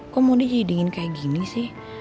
kok mau dijedingin kayak gini sih